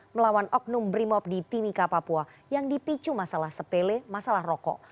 melawan oknum brimob di timika papua yang dipicu masalah sepele masalah rokok